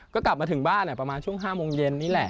ก็กลับมาถึงบ้าน